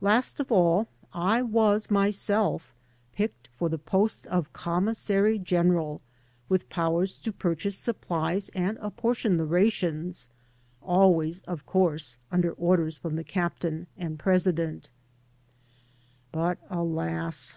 Last of all, I was myself picked for the post of commis sary general, with powers to purchase supplies and apportion the rations — ^always, of course, under orders from the president and captain. But, alas!